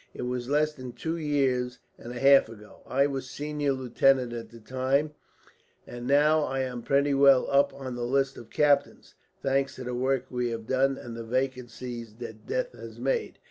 It was less than two years and a half ago. I was senior lieutenant at the time, and now I am pretty well up on the list of captains, thanks to the work we have done and the vacancies that death has made."